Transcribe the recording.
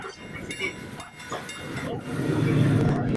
Sin embargo, Roger sentía una mayor atracción por los automóviles.